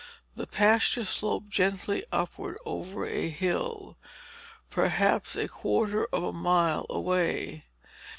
The pasture sloped gently upward over a hill, perhaps a quarter of a mile away.